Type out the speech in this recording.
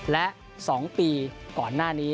และ๒ปีก่อนหน้านี้